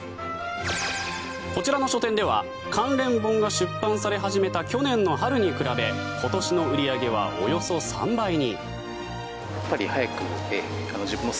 こちらの書店では関連本が出版され始めた去年の春に比べ今年の売り上げはおよそ３倍に。